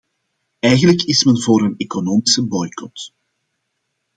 Eigenlijk is men voor een economische boycot.